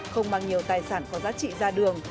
không mang nhiều tài sản có giá trị ra đường